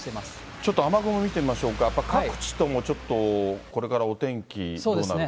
ちょっと雨雲見てみましょうか、やっぱり各地ともちょっとこれからお天気どうなるか。